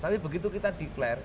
tapi begitu kita declare